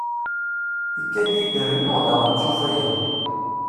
Ikad-iyi-d rennuɣ daɣen ttufayeɣ.